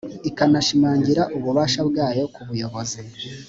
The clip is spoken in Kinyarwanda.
ikanashimangira ububasha bwayo ku buyobozi